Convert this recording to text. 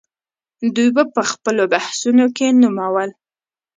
دوی به په خپلو بحثونو کې نومول.